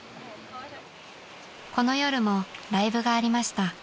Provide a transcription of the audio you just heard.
［この夜もライブがありました。